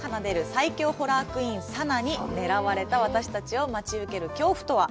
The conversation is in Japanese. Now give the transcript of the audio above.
最狂ホラークイーン、さなに狙われた私たちを待ち受ける恐怖とは！？